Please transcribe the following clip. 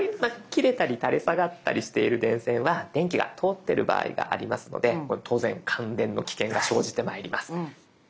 切れたり垂れ下がったりしている電線は電気が通ってる場合がありますのでこれ当然感電の危険が生じてまいります。